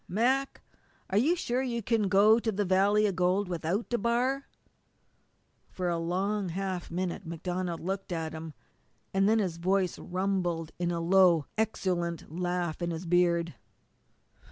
"Mac, are you sure you can go to the valley of gold without DeBar?" For a long half minute MacDonald looked at him, and then his voice rumbled in a low, exultant laugh in his beard.